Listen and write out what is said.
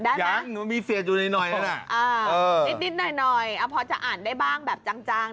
ได้ไหมอ่ะนิดนิดหน่อยพอจะอ่านได้บ้างแบบจาง